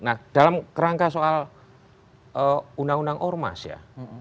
nah dalam kerangka soal undang undang ormas ya